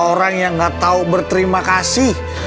orang yang gak tahu berterima kasih